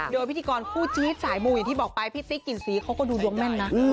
โดยพิธีกรคู่จี๊ดสายมูอย่างที่บอกไปพี่ติ๊กกลิ่นสีเขาก็ดูดวงแม่นนะ